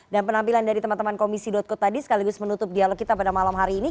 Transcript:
dan penampilan dari teman teman komisi co tadi sekaligus menutup dialog kita pada malam hari ini